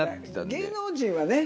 芸能人はね